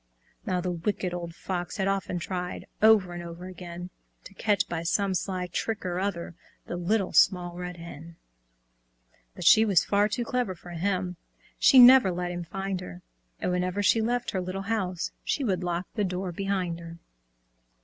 Now, the Wicked Old Fox had often tried Over and over again, To catch by some sly trick or other The Little Small Red Hen. But she was far too clever for him, She never let him find her, And whenever she left her little house She would lock the door behind her.